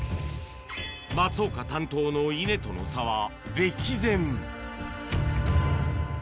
松岡担当の稲との差は歴然。